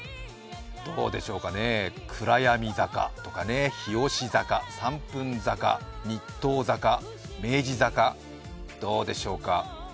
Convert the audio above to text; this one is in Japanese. どうでしょうかね、暗闇坂とかね日吉坂、三分坂、にっとう坂、明治坂、どうでしょうか。